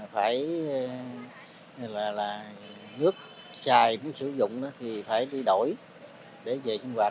phải nước xài muốn sử dụng thì phải đi đổi để về sinh quạt